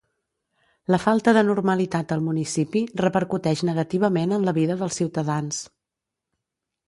La falta de normalitat al municipi repercuteix negativament en la vida dels ciutadans.